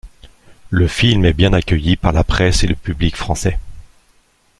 Le film est bien accueilli par la presse et le public français.